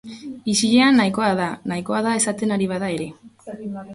Isilean nahikoa da, nahikoa da esaten ari bada ere.